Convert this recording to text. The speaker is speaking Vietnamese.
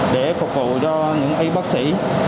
để phục vụ cho những y bác sĩ